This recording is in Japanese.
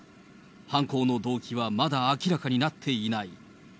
犯行の動機はまだ明らかになっていない。